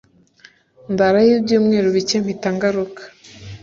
Ndarayo ibyumweru bike mpita ngaruka